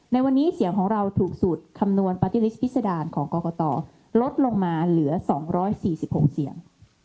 ในวันนี้เสียงของเราถูกสูตรคำนวณปาร์ติฤทธิ์พิษดารของกรกฏอลดลงมาเหลือสองร้อยสี่สิบหกเสียง